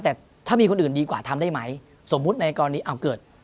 แต่ถ้ามีคนอื่นดีกว่าทำได้ไหมสมมุติในกรณีอ้าวเกิด